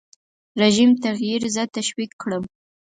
رژیم تغییر زه تشویق کړم.